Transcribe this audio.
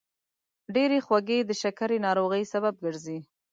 ډېرې خوږې د شکرې ناروغۍ سبب ګرځي.